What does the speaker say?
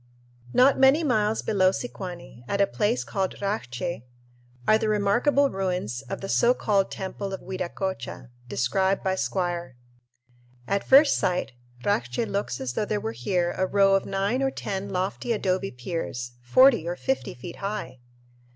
Not many miles below Sicuani, at a place called Racche, are the remarkable ruins of the so called Temple of Viracocha, described by Squier. At first sight Racche looks as though there were here a row of nine or ten lofty adobe piers, forty or fifty feet high!